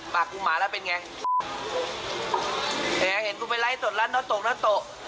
ปากกูหมาแล้วเป็นไงเนี่ยเห็นกูไปไลฟ์ตรงร้านน้อตกน้อตก